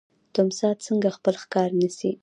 تمساح څنګه خپل ښکار نیسي؟